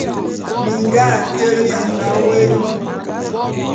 Minga ate nnye a nga wôé nnôm.